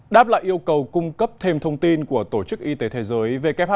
đáp lại yêu cầu cung cấp thêm thông tin của tổ chức y tế thế giới